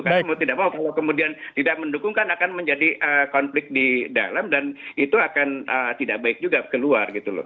karena mau tidak mau kalau kemudian tidak mendukung kan akan menjadi konflik di dalam dan itu akan tidak baik juga keluar gitu loh